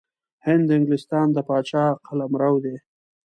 هند د انګلستان د پاچا قلمرو دی.